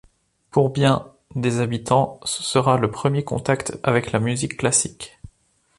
Pour bien des habitants, ce sera le premier contact avec la musique classique.